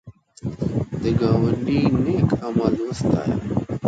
د ګاونډي نېک عمل وستایه